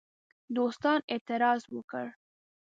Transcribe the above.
دوستانو اعتراض وکړ.